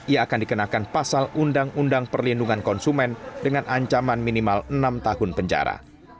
ia akan dikenakan pasal undang undang perlindungan konsumen dengan ancaman minimal enam tahun penjara